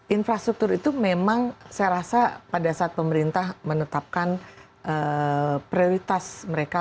infrastruktur itu memang saya rasa pada saat pemerintah menetapkan prioritas mereka